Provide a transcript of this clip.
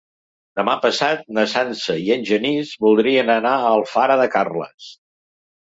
Demà passat na Sança i en Genís voldrien anar a Alfara de Carles.